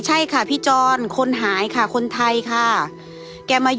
ให้เจ้าซ้ายมาช่วย